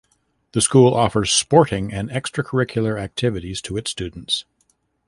The school offers sporting and extracurricular activities to its students.